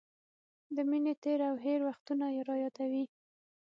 د مینې تېر او هېر وختونه رايادوي.